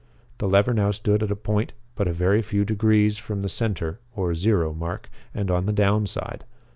The lever now stood at a point but a very few degrees from the center or "Zero" mark and on the down side.